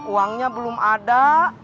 uangnya belum ada